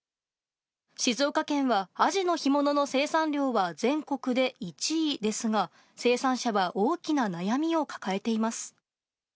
静岡県は、アジの干物の生産量は全国で１位ですが、生産者は大きな悩みを抱えています。